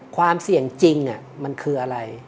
ความเสี่ยงจริงมันคืออะไร